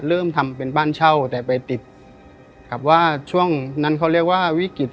เริ่มทำเป็นบ้านเช่าแต่ไปติดกับว่าช่วงนั้นเขาเรียกว่าวิกฤต